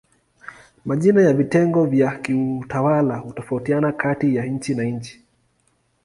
Majina ya vitengo vya kiutawala hutofautiana kati ya nchi na nchi.